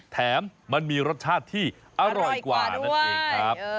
แถมมันมีรสชาติที่อร่อยกว่านั่นเองครับ